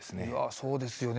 そうですよね